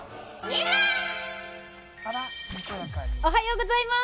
おはようございます。